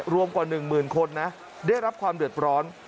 กว่า๑หมื่นคนนะได้รับความเดือดร้อน